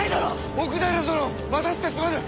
奥平殿待たしてすまぬ！